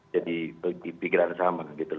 jadi pikiran sama